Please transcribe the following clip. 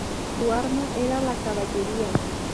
Su arma era la Caballería.